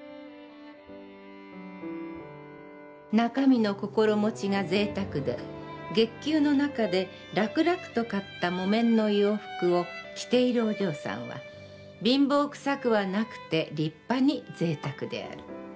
「中身の心持が贅沢で、月給の中で楽々と買った木綿の洋服を着ているお嬢さんは貧乏臭くはなくて立派に贅沢である。